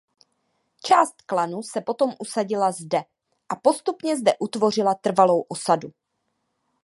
Část klanu se potom usadila zde a postupně zde utvořila trvalou osadu.